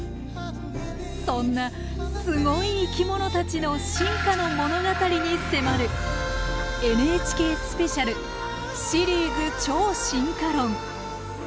そんなすごい生き物たちの進化の物語に迫るＮＨＫスペシャルシリーズ「超進化論」。